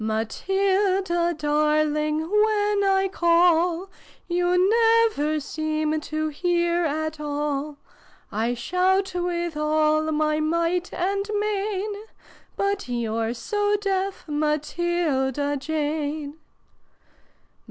"Matilda, darling, when I call, You never seem to hear at all: I shout with all my migJit and main But you're so deaf, Matilda Jane